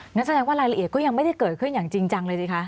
งั้นแสดงว่ารายละเอียดก็ยังไม่ได้เกิดขึ้นอย่างจริงจังเลยสิคะ